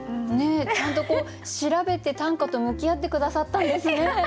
ちゃんと調べて短歌と向き合って下さったんですね。